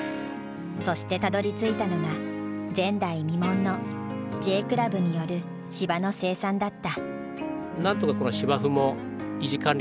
そしてたどりついたのが前代未聞のＪクラブによる芝の生産だった。